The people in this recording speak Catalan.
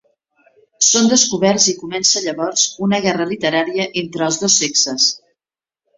Són descoberts i comença llavors una guerra literària entre els dos sexes.